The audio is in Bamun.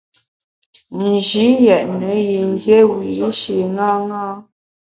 Nji yètne yin dié wiyi’shi ṅaṅâ.